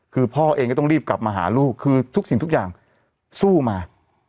คือพ่อเองก็ต้องรีบกลับมาหาลูกคือทุกสิ่งทุกอย่างสู้มา